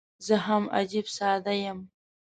زه هم عجيب ساده یم.